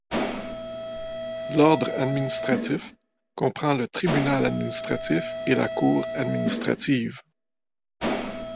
L'ordre administratif comprend le tribunal administratif et la cour administrative.